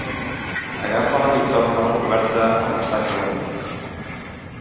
Agafa-la i torna-me-la coberta amb la sang de l'enemic.